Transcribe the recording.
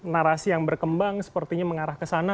narasi yang berkembang sepertinya mengarah ke sana